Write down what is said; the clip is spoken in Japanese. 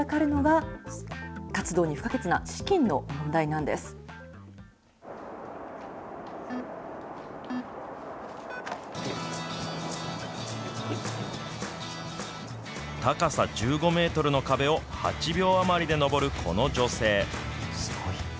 ただ、そこに立ちはだかるのは、活動に不可欠な資金の問題なんで高さ１５メートルの壁を８秒余りで登るこの女性。